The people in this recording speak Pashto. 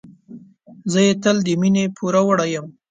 زه یې تل د مینې پوروړی یم.